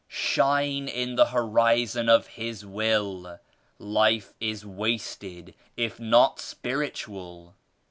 Shine in the Horizon of His Will. Life is wasted if not spiritual.